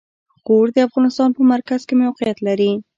غور د افغانستان په مرکز کې موقعیت لري.